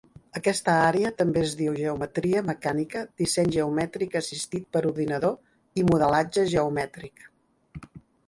Aquesta àrea també es diu "geometria mecànica", disseny geomètric assistit per ordinador i modelatge geomètric.